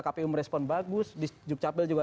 kpu merespon bagus di dukcapil juga